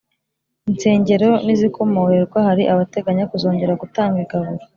insengero nizikomorerwa hari abateganya kuzongera gutanga igaburo